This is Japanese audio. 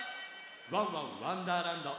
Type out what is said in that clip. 「ワンワンわんだーらんど」